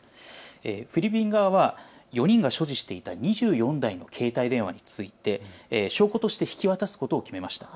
フィリピン側は４人が所持していた２４台の携帯電話について証拠として引き渡すことを決めました。